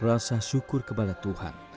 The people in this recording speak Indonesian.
rasa syukur kepada tuhan